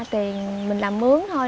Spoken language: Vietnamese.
tiền mình làm mướn thôi